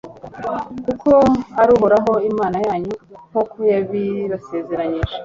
kuko ari uhoraho, imana yanyu, nk'uko yabibasezeranyije